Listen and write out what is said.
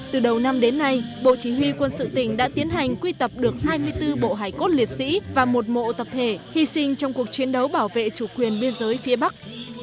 từ đầu năm đến nay bộ chỉ huy quân sự tỉnh đã tiến hành quy tập được hai mươi bốn bộ hải cốt liệt sĩ và một mộ tập thể hy sinh trong cuộc chiến đấu bảo vệ chủ quyền biên giới phía bắc